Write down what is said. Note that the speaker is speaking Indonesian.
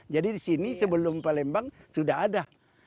jadi disini sebelum palembang sudah ada